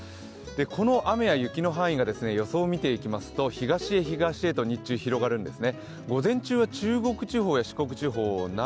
この雨や雪の範囲が、予想を見ていきますと東へ東へと日中広がるんですね。